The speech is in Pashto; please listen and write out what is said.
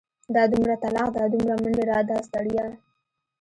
دا دومره تلاښ دا دومره منډې دا ستړيا.